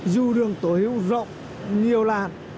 dù đường tối hưu rộng nhiều lan